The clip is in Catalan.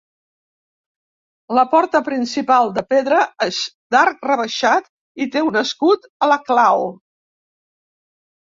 La porta principal, de pedra, és d'arc rebaixat i té un escut a la clau.